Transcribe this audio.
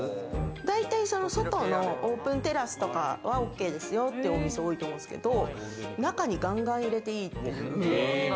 大体外のオープンテラスとかはＯＫですよってお店多いと思うんですけれど、中にガンガン入れていいっていう。